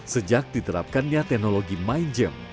sejak diterapkannya teknologi mind game